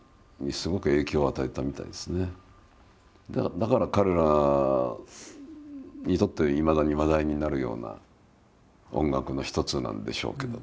だから彼らにとっていまだに話題になるような音楽の一つなんでしょうけどね。